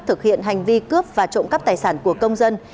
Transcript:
thực hiện hành vi cướp và trộm cắp tài sản của công dân